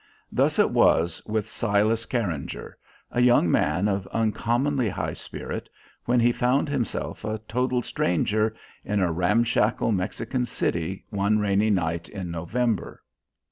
Thus it was with Silas Carringer, a young man of uncommonly high spirit, when he found himself a total stranger in a ramshackle Mexican city one rainy night in November.